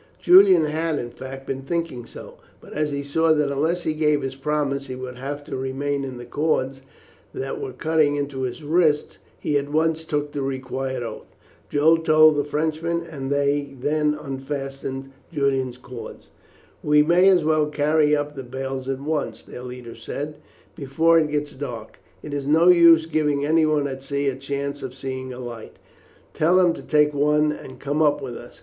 Julian had, in fact, been thinking so, but as he saw that unless he gave his promise he would have to remain in the cords that were cutting into his wrists, he at once took the required oath. Joe told the Frenchmen, and they then unfastened Julian's cords. "We may as well carry up the bales at once," their leader said, "before it gets dark. It is no use giving anyone at sea a chance of seeing a light. Tell him to take one and come up with us.